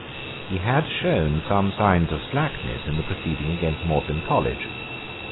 He had shown some signs of slackness in the proceeding against Magdalene College.